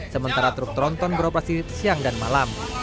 sementara truk tronton beroperasi siang dan malam